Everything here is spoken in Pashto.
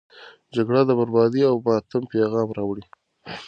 جګړه د بربادي او ماتم پیغام راوړي.